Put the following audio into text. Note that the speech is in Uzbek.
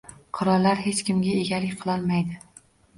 — Qirollar hech kimga egalik qilolmaydi.